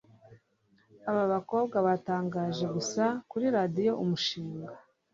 abAbakobwa Batangaje gusa kuri radio umushinga